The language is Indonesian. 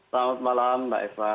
selamat malam mbak eva